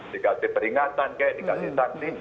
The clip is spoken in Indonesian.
dikasih peringatan kayak dikasih sanksi